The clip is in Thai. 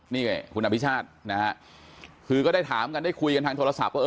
นี่ไงคุณอภิชาตินะฮะคือก็ได้ถามกันได้คุยกันทางโทรศัพท์ว่า